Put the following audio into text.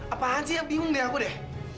apaan sih yang bingung dengan aku deh